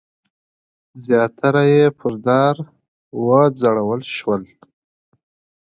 زیاتره یې پر دار وځړول شول.